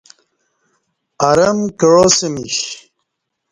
ارم کعاسمیش۔